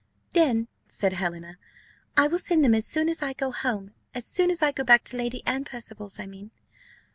"Then," said Helena, "I will send them as soon as I go home as soon as I go back to Lady Anne Percival's, I mean."